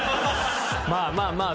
まあまあまあ。